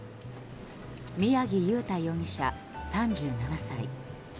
宮城祐太容疑者、３７歳。